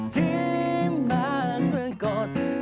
ที่มาสะกด